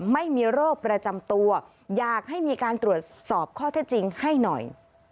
ไม่มีโรคประจำตัวอยากให้มีการตรวจสอบข้อเท็จจริงให้หน่อย